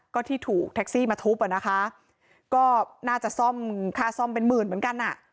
ก็ที่ถูกแท็กซี่มาทุบอ่ะนะคะก็น่าจะซ่อมค่าซ่อมเป็นหมื่นเหมือนกันอ่ะ